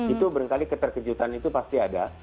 itu berkali keterkejutan itu pasti ada